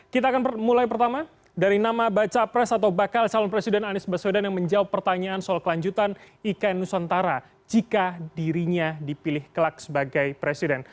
kita akan mulai pertama dari nama baca pres atau bakal calon presiden anies baswedan yang menjawab pertanyaan soal kelanjutan ikn nusantara jika dirinya dipilih kelak sebagai presiden